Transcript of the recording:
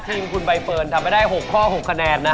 ทีมคุณใบเฟิร์นทำให้ได้๖ข้อ๖คะแนนนะ